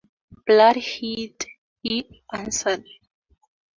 “Blood heat,” he answered.